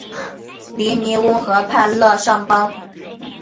利尼翁河畔勒尚邦。